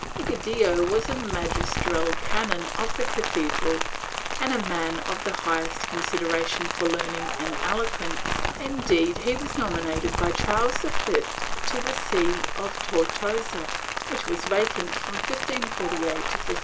Egidio was magistral canon of the cathedral and a man of the highest consideration for learning and eloquence; indeed, he was nominated by Charles V to the see of Tortosa, which was vacant from 1548 to 1553.